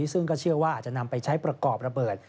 ซึ่งก็เชื่อว่าอาจจะนำไปใช้ประกอบระเบิด